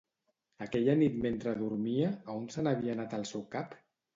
Aquella nit mentre dormia, a on se n'havia anat el seu cap?